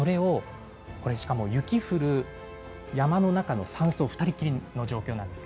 しかも雪が降る山の中で山荘で２人きりの状態なんです。